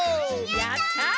やった！